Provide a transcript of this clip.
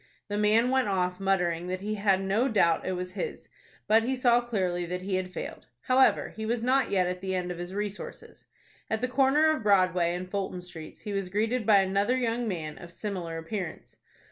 The man went off, muttering that he had no doubt it was his; but he saw clearly that he had failed. However, he was not yet at the end of his resources. At the corner of Broadway and Fulton Streets he was greeted by another young man of similar appearance.